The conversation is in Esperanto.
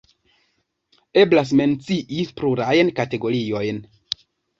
Eblas mencii plurajn kategoriojn.